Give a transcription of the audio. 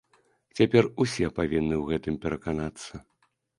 Цяпер усе павінны ў гэтым пераканацца.